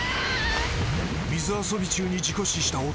水遊び中に事故死した夫。